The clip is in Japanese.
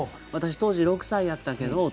「私当時６歳やったけど」